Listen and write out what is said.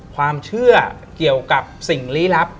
ความเชื่อเกี่ยวกับสิ่งลี้ลับ